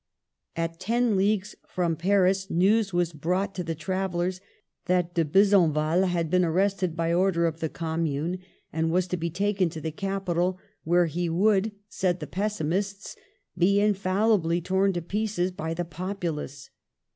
At ten leagues from Paris, news was brought to the travellers that De Besenval had been arrested by order of the Commune, and was to be taken to the capital, where he would, said the pessimists, be infallibly torn to pieces by the populace.